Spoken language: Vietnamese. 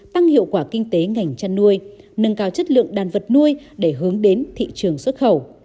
tăng hiệu quả kinh tế ngành chăn nuôi nâng cao chất lượng đàn vật nuôi để hướng đến thị trường xuất khẩu